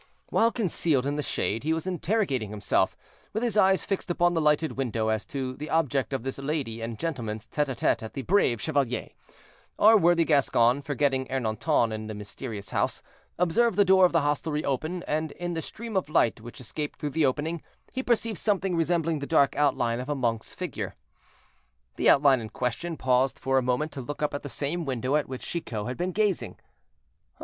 While, concealed in the shade, he was interrogating himself, with his eyes fixed upon the lighted window, as to the object of this lady and gentleman's tete à tete at the "Brave Chevalier," our worthy Gascon, forgetting Ernanton in the mysterious house, observed the door of the hostelry open, and in the stream of light which escaped through the opening, he perceived something resembling the dark outline of a monk's figure. The outline in question paused for a moment to look up at the same window at which Chicot had been gazing.